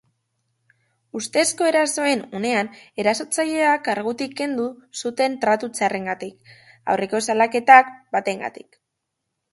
Ustezko erasoaren unean, erasotzailea kargutik kendu zuten tratu txarrengatik aurreko salaketa batengatik.